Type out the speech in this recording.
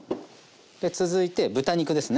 続いて豚肉ですね。